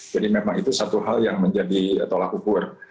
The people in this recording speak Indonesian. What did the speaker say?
jadi memang itu satu hal yang menjadi tolak ukur